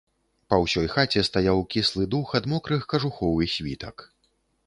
Па ўсёй хаце стаяў кіслы дух ад мокрых кажухоў і світак.